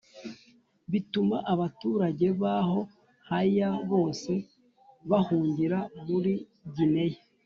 Bituma abaturage baho ha ya bose bahungira muri gineya